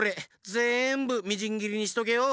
ぜんぶみじんぎりにしとけよ！